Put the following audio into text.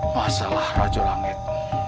masalah raju langit